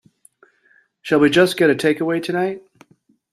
Shall we just get a takeaway tonight?